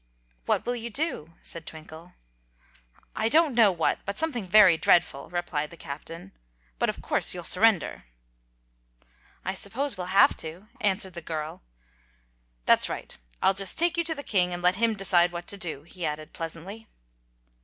"What will you do?" said Twinkle. "I don't know what, but something very dreadful," replied the Captain. "But of course you'll surrender." "I suppose we'll have to," answered the girl. "That's right. I'll just take you to the king, and let him decide what to do," he added pleasantly.